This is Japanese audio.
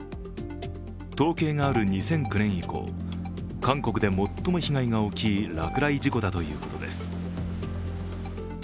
統計がある２００９年以降韓国で最も被害が大きい落雷事故だということです。